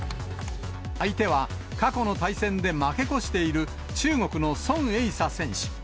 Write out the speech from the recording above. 相手は過去の対戦で負け越している中国の孫頴莎選手。